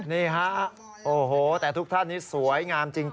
นี่ฮะโอ้โหแต่ทุกท่านนี้สวยงามจริง